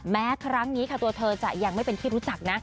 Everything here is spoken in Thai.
แม้ครั้งนี้ค่ะตัวเธอจะยังไม่เป็นที่รู้จักนะ